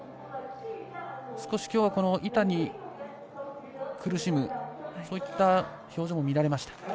少し、板に苦しむそういった表情も見られました。